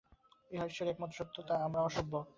ঈশ্বরই একমাত্র সত্য, আর সব অসত্য, অনিত্য।